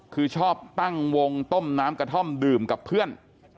คือชอบตั้งวงต้มน้ำกระท่อมดื่มกับเพื่อน